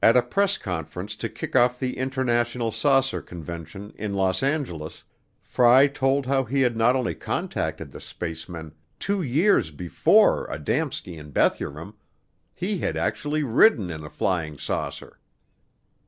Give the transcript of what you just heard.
At a press conference to kick off the International Saucer Convention in Los Angeles, Fry told how he had not only contacted the spacemen two years before Adamski and Bethurum, he had actually ridden in a flying saucer.